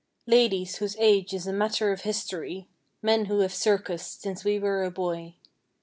Ladies, whose age is a matter of history. Men who have circused since we were a boy.